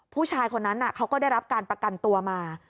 ผู้ชายคนนั้นเขาก็ได้รับการประกันตัวมา